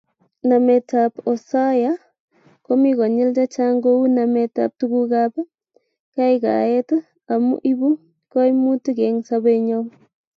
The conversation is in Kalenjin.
Nametab osoya komi konyil chechang kou nametab tugukab kaikaikaet amu ibu koimutik eng sobenyo